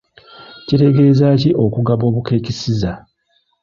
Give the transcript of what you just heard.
Kitegeeza ki okugaba obukeekisiza?